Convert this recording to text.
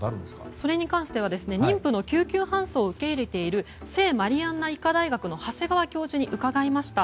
それに関しては妊婦の救急搬送を受け入れている聖マリアンナ医科大学の長谷川教授に伺いました。